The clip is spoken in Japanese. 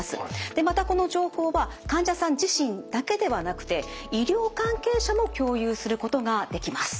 またこの情報は患者さん自身だけではなくて医療関係者も共有することができます。